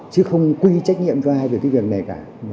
chứ không quy trách nhiệm cho ai về cái việc này cả